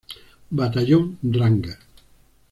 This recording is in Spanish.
Batallón Ranger.